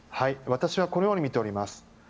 私はこのようにみております。